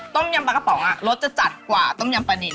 ต้มยำปลากระป๋องรสจะจัดกว่าต้มยำปลานิน